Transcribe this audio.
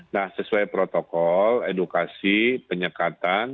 nah sesuai protokol edukasi penyekatan